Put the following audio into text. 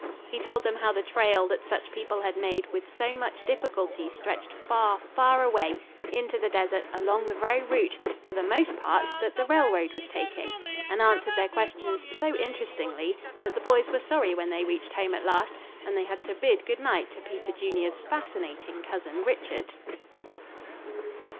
He told them how the trail that such people had made with so much difficulty stretched far, far away into the desert along the very route, for the most part, that the railroad was taking, and answered their questions so interestingly that the boys were sorry when they reached home at last and they had to bid good night to Peter Junior's fascinating cousin, Richard.